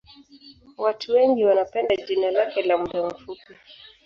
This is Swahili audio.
Watu wengi wanapenda jina lake la muda mfupi